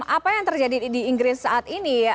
apa yang terjadi di inggris saat ini ya